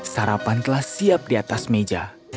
sarapan kelas siap di atas meja